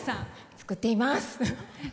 作っています。